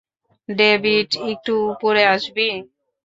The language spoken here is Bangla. ডেভিড, একটু উপরে আসবি?